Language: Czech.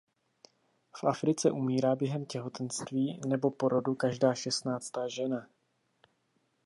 V Africe umírá během těhotenství nebo porodu každá šestnáctá žena.